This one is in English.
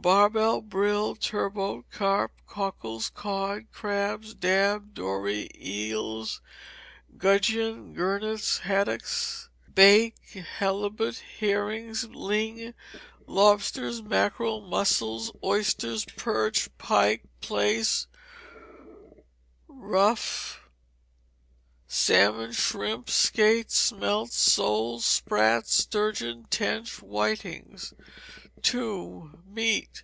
Barbel, brill, turbot, carp, cockles, cod, crabs, dab, dory, eels, gudgeon, gurnets, haddocks, bake, halibut, herrings, ling, lobsters, mackerel, mussels, oysters, perch, pike, plaice, ruffe, salmon, shrimps, skate, smelts, soles, sprats, sturgeon, tench, whitings. ii. Meat.